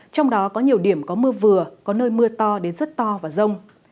trong đó có nhiều điểm có mưa vừa có nơi mưa to đến rất to và rông